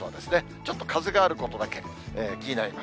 ちょっと風があることだけ気になります。